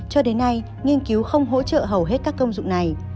cho đến nay nghiên cứu không hỗ trợ hầu hết các công dụng này